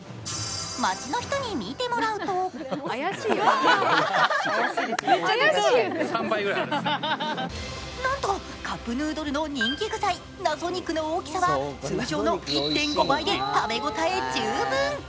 街の人に見てもらうとなんとカップヌードルの人気具材、謎肉の大きさが通常の１．５倍で食べ応え十分！